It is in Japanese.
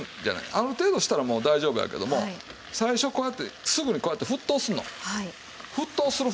ある程度したらもう大丈夫やけども最初こうやってすぐにこうやって沸騰するの。